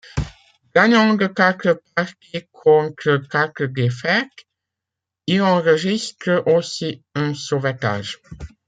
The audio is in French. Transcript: Gagnant de quatre parties contre quatre défaites, il enregistre aussi un sauvetage.